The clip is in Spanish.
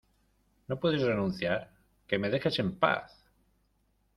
no puedes renunciar. ¡ que me dejes en paz!